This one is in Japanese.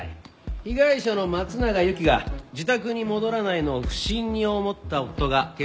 被害者の松永由貴が自宅に戻らないのを不審に思った夫が警察に相談。